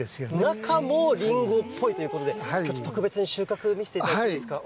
中もリンゴっぽいということで、ちょっと特別に収穫、見せていただけますか？